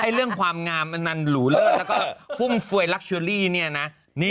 เรื่องความงามอันนั้นหรูเลิศแล้วก็ฟุ่มฟวยลักเชอรี่เนี่ยนะ